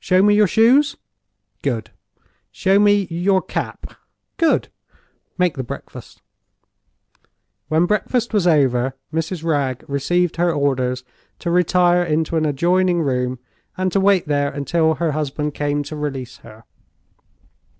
Show me your shoes! Good. Show me you cap! Good. Make the breakfast." When breakfast was over, Mrs. Wragge received her orders to retire into an adjoining room, and to wait there until her husband came to release her.